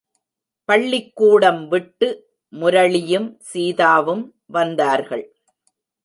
பள்ளிக்கூடம் விட்டு முரளியும், சீதாவும் வந்தார்கள்.